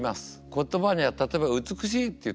言葉には例えば「美しい」って言ったらね